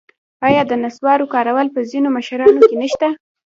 آیا د نصوارو کارول په ځینو مشرانو کې نشته؟